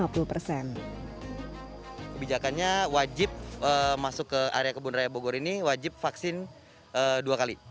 kebijakannya wajib masuk ke area kebun raya bogor ini wajib vaksin dua kali